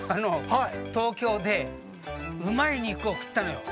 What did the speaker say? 東京で、うまい肉を食ったのよ。